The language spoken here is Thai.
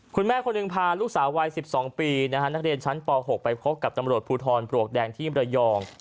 คุณแม่คนหนึ่งพาลูกสาววัย๑๒ปีนักเรียนชั้นป๖ไปพบกับตำรวจภูทรปลวกแดงที่มรยอง